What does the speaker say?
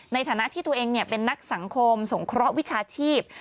ในฐานะที่ตัวเองเป็นนักสังคมสงเคราะห์วิชาชีพ